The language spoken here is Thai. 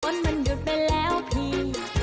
มันยดไปแล้วพี่